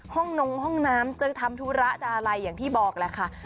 นงห้องน้ำจะทำธุระจะอะไรอย่างที่บอกแหละค่ะ